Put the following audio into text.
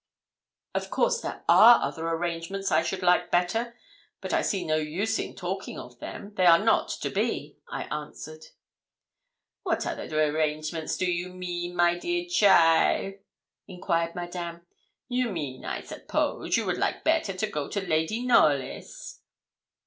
'Of course there are other arrangements I should like better; but I see no use in talking of them; they are not to be,' I answered. 'What other arrangements do you mean, my dear cheaile?' enquired Madame. 'You mean, I suppose, you would like better to go to Lady Knollys?'